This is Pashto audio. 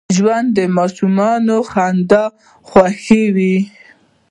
ژوندي د ماشومانو خندا خوښوي